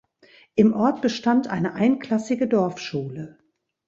Im Ort bestand eine einklassige Dorfschule.